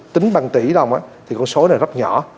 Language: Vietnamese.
tính bằng tỷ đồng thì con số này rất nhỏ